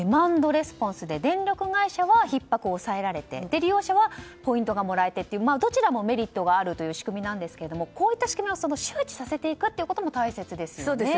レスポンスで電力会社はひっ迫を抑えられて利用者はポイントをもらえてというどちらもメリットがある仕組みですがこういった仕組みは周知させていくことも大切ですね。